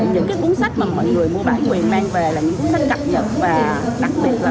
những cái cuốn sách mà mọi người mua bản quyền mang về là những cuốn sách cập nhật và đặc biệt là